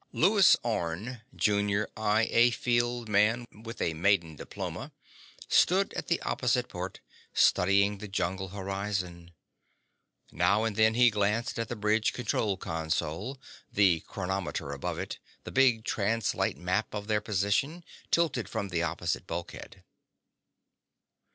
Lewis Orne, junior I A field man with a maiden diploma, stood at the opposite port, studying the jungle horizon. Now and then he glanced at the bridge control console, the chronometer above it, the big translite map of their position tilted from the opposite bulkhead.